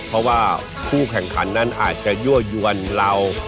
เพราะว่าผู้แข่งขันนั้นอาจจะยั่วยวนเรา